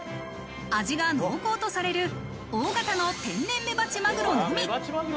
味が濃厚とされる大型の天然メバチマグロのみ。